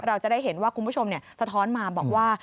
เราจะได้เห็นว่าคุณผู้ชมสะท้อนมาบอกว่า